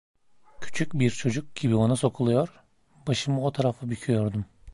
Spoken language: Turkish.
Küçük bir çocuk gibi ona sokuluyor, başımı o tarafa büküyordum.